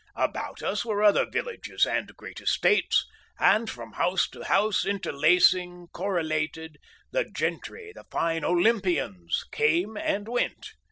About us were other villages and great estates, and from house to house, interlacing, correlated, the Gentry, the fine Olympians, came and went.